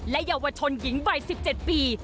และเยาวชนหญิงใบ๑๗ปี